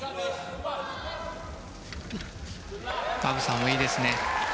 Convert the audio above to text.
バブサーもいいですね。